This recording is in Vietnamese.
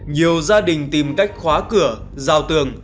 nhiều gia đình tìm cách khóa cửa rào tường